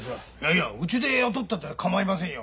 いやうちで雇ったって構いませんよ。